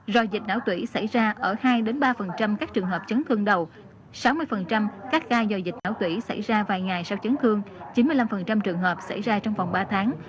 do dịch não tủy xảy ra ở hai ba các trường hợp chấn thương đầu sáu mươi các ca do dịch não tủy xảy ra vài ngày sau chấn thương chín mươi năm trường hợp xảy ra trong vòng ba tháng